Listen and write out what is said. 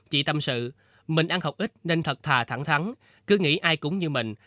chị tâm sự mình ăn học ít nên thật thà thẳng thắng cứ nghĩ ai cũng như mình